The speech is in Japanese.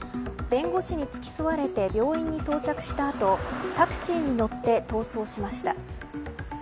弁護士に付き添われて病院に到着した後タクシーに乗って逃走しました。